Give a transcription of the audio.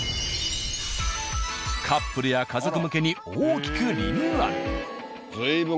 カップルや家族向けに大きくリニューアル。